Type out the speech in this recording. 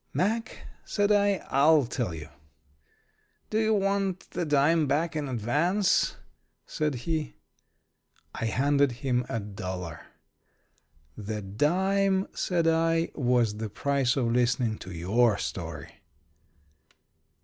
"Mack," said I, "I'll tell you." "Do you want the dime back in advance?" said he. I handed him a dollar. "The dime," said I, "was the price of listening to your story."